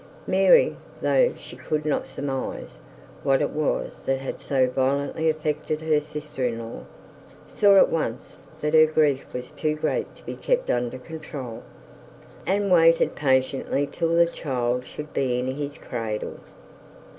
Mary, though she could not surmise what it was that had so violently affected her sister in law, saw at once her grief was too great to be kept under control, and waited patiently till the child should be in his cradle.